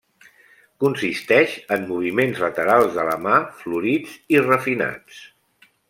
Consisteix en moviments laterals de la mà florits i refinats.